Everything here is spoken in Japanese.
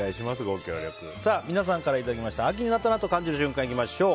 皆さんからいただきました秋になったなぁと感じる瞬間。